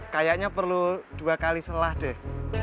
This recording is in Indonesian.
kayaknya perlu dua kali selah deh